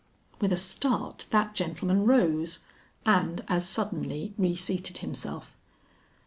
With a start that gentleman rose, and as suddenly reseated himself.